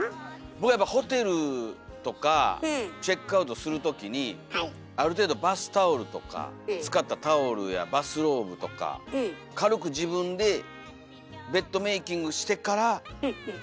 僕はホテルとかチェックアウトするときにある程度バスタオルとか使ったタオルやバスローブとか軽く自分でベッドメーキングしてから帰るっていう。